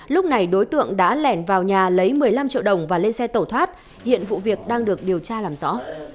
lúc này đối tượng đã lẻn vào nhà lấy một mươi năm triệu đồng và lên xe tẩu thoát hiện vụ việc đang được điều tra làm rõ